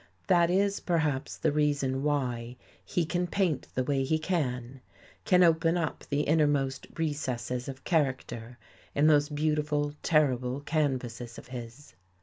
That is, perhaps, the reason why he can paint the way he can; can open up the innermost recesses of character in those beautiful, terrible canvases of his.